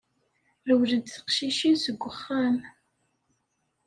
Rewlent teqcicin seg wexxam.